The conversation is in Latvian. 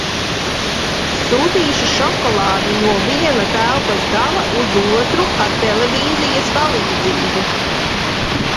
Sūtīšu šokolādi no viena telpas gala uz otru ar televīzijas palīdzību!